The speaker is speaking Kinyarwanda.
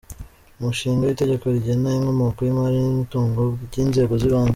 Umushinga w’Itegeko rigena inkomoko y’imari n’umutungo by’Inzego z’ibanze;.